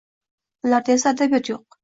Ularda esa adabiyot yo’q